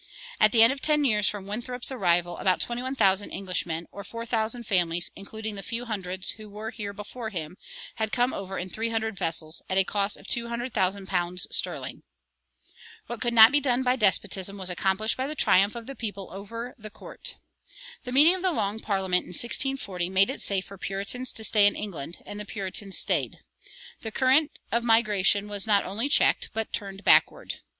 "At the end of ten years from Winthrop's arrival about twenty one thousand Englishmen, or four thousand families, including the few hundreds who were here before him, had come over in three hundred vessels, at a cost of two hundred thousand pounds sterling."[99:1] What could not be done by despotism was accomplished by the triumph of the people over the court. The meeting of the Long Parliament in 1640 made it safe for Puritans to stay in England; and the Puritans stayed. The current of migration was not only checked, but turned backward.